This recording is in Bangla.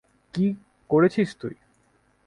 কী করেছিস তুই?